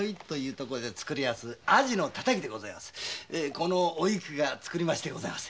このおいくがつくりましてございます。